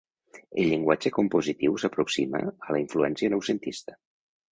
El llenguatge compositiu s'aproxima a la influència noucentista.